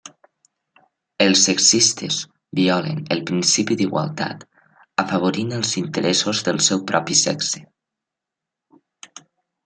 Els sexistes violen el principi d'igualtat afavorint els interessos del seu propi sexe.